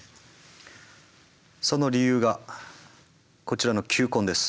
その理由がこちらの球根です。